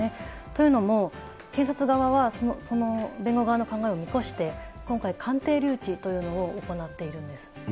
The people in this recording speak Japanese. というのも、検察側は、その弁護側の考えを見越して、今回鑑定留置というのを行っているんです。